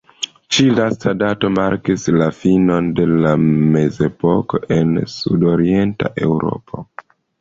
Ĉi-lasta dato markis la finon de la Mezepoko en Sudorienta Eŭropo.